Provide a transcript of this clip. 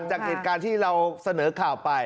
จากเหตุการณ์ที่เราเสนอข่าวไป